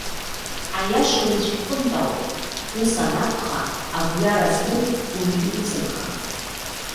Аиаша Унцәа иҟынтә ауп. Ус анакәха, агәҩара змоу урҩызамхан.